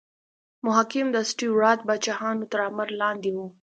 محاکم د سټیورات پاچاهانو تر امر لاندې وو.